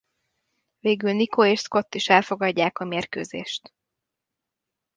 Végül Niko és Scott is elfogadják a mérkőzést.